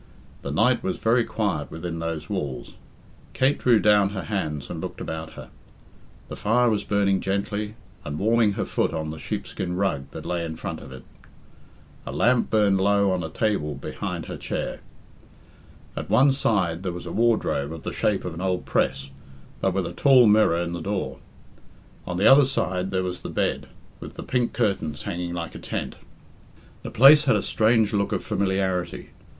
The night was very quiet within those walls. Kate drew down her hands and looked about her. The fire was burning gently, and warming her foot on the sheepskin rug that lay in front of it. A lamp burned low on a table behind her chair. At one side there was a wardrobe of the shape of an old press, but with a tall mirror in the door; on the other side there was the bed, with the pink curtains hanging like a tent. The place had a strange look of familiarity.